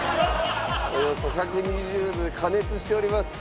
およそ１２０度で加熱しております。